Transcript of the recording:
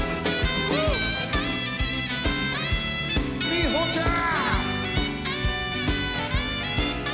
みほちゃん。